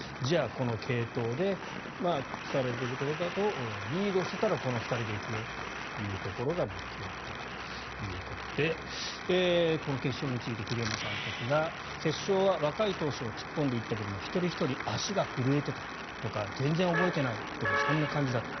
この継投で伝えられているところだとリードしていたらこの２人で行くよというところが決まったということでこの決勝について栗山監督が決勝は若い投手を突っ込んでいったが一人ひとり足が震えていたとか全然覚えてないとかそんな感じだった。